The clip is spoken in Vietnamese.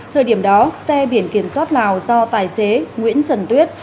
thời điểm đó xe biển kiểm soát lào do tài xế nguyễn trần tuyết